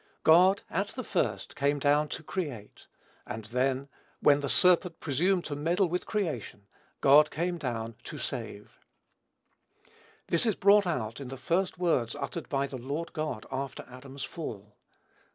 God, at the first, came down to create; and, then, when the serpent presumed to meddle with creation, God came down to save. This is brought out in the first words uttered by the Lord God, after man's fall.